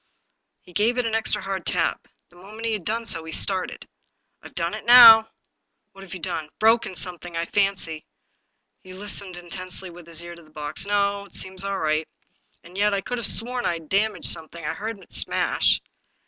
He gave it an extra hard tap. The moment he had done so, he started. " Fve done it now." "What have you done?^ " Broken something, I fancy." He listened intently, with his ear to the box. " No— it seems all right. And yet I could have sworn I had damaged something ; I heard it smash."